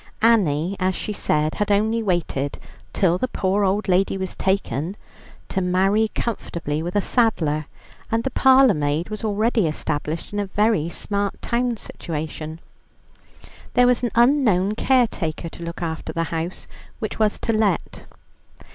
Annie, as she said, had only waited "till the pore old lady was taken" to marry comfortably with a saddler, and the parlourmaid was already established in a very smart town situation. There was an unknown caretaker to look after the house, which was to let.